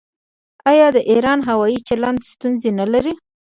آیا د ایران هوايي چلند ستونزې نلري؟